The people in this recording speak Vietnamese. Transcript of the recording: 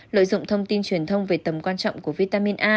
lợi dụng thông tin truyền thông về tầm quan trọng của vitamin a